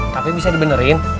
tapi bisa dibenerin